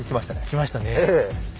来ましたねえ。